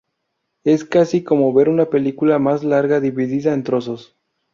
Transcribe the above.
Es casi como ver una película más larga dividida en trozos.